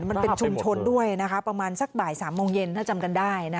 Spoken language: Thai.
มันเป็นชุมชนด้วยนะคะประมาณสักบ่าย๓โมงเย็นถ้าจำกันได้